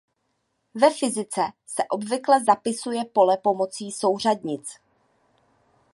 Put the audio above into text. Ve fyzice se obvykle zapisuje pole pomocí souřadnic.